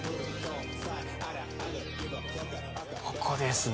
ここですね